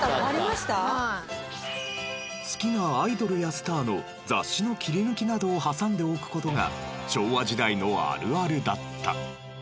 好きなアイドルやスターの雑誌の切り抜きなどを挟んでおく事が昭和時代のあるあるだった。